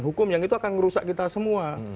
hukum yang itu akan merusak kita semua